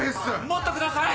もっとください！